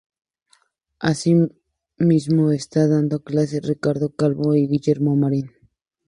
Asimismo están dando clase Ricardo Calvo y Guillermo Marín.